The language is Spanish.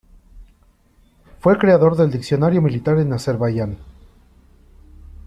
Fue creador del diccionario militar en Azerbaiyán.